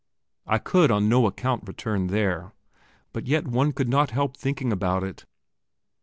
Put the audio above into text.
I could on no account return there; but yet one could not help thinking about it.